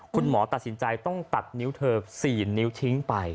คุณหมอตัดสินใจต้องตัดนิ้วเธอ๔นิ้วทิ้งไป